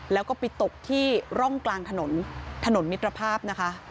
แล้วก็ไปตกที่ร่องกลางถนนถนนมิตรภาพนะคะ